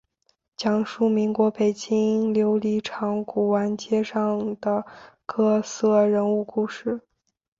讲述民国北京琉璃厂古玩街上的各色人物故事。